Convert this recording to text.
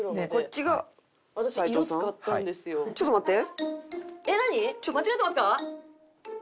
ちょっと待って。